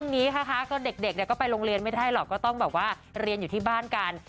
นี้นะคะก็เด็กก็ไปโรงเรียนไม่ได้หรอกก็ต้องแบบว่าเรียนอยู่ที่บ้านกัน